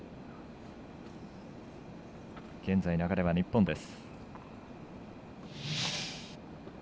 現在、流れは日本です。